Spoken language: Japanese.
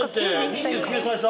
２９歳差？